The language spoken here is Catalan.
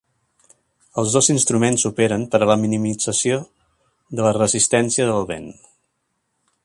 Els dos instruments operen per la minimització de la resistència del vent.